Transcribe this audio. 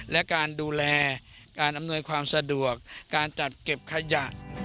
และการดูแลการอำนวยความสะดวกการจัดเก็บขยะ